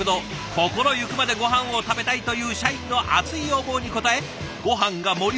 「心ゆくまでごはんを食べたい」という社員の熱い要望に応えごはんが盛り